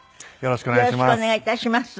よろしくお願いします。